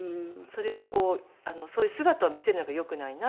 それはそういう姿を見せるのが良くないなと思って。